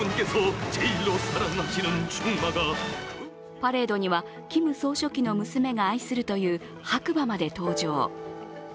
パレードにはキム総書記の娘が愛するという白馬まで登場。